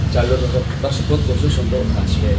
jalur tersebut khusus untuk pas k